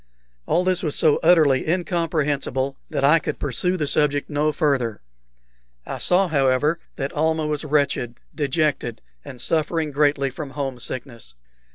All this was so utterly incomprehensible that I could pursue the subject no further. I saw, however, that Almah was wretched, dejected, and suffering greatly from home sickness.